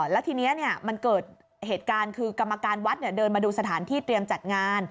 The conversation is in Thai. แล้วทีนี้มันเกิดเหตุการณ์คือกรรมการวัดเดินมาดูสถานที่เตรียมจัดงาน